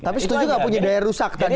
tapi setuju nggak punya daya rusak tadi